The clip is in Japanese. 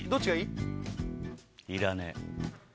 いらねえ。